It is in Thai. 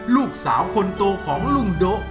ลูกสาวคนโตของลุงโดะ